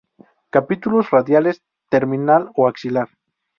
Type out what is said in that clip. Capítulos radiales, terminal o axilar.